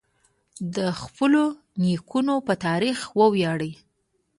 د خپلو نیکونو په تاریخ وویاړئ.